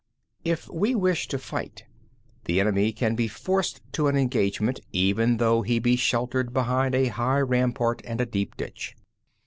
11. If we wish to fight, the enemy can be forced to an engagement even though he be sheltered behind a high rampart and a deep ditch.